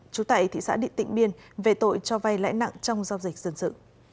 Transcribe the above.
trú tại thị xã điện tịnh biên về tội cho vay lãi nặng trong giao dịch dân sự